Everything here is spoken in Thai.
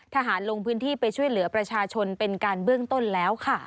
ลงพื้นที่ไปช่วยเหลือประชาชนเป็นการเบื้องต้นแล้วค่ะ